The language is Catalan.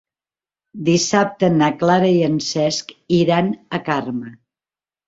Dissabte na Clara i en Cesc iran a Carme.